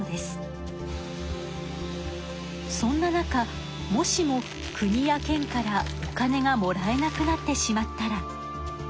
そんな中もしも国や県からお金がもらえなくなってしまったら。